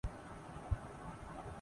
بجلی ہی استعمال کی جارہی ھے